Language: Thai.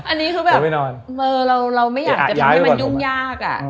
อันนี้คือแบบเราไม่อยากจะทำให้มันยุ่งยาก